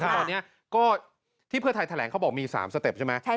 ตอนนี้ก็ที่เพื่อไทยแถลงเขาบอกมี๓สเต็ปใช่ไหม